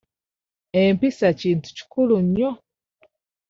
Empisa Kintu kikulu nnyo.